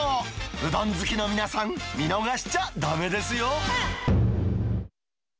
うどん好きの皆さん、見逃しちゃだめですよ。